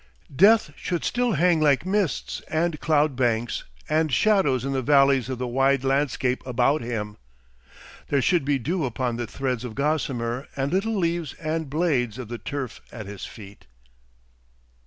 Death should still hang like mists and cloud banks and shadows in the valleys of the wide landscape about him. There should be dew upon the threads of gossamer and little leaves and blades of the turf at his feet.